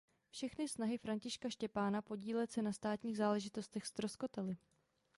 Všechny snahy Františka Štěpána podílet se na státních záležitostech ztroskotaly.